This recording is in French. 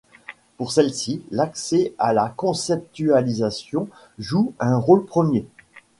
Pour celles-ci l'accès à la conceptualisation joue un rôle premier.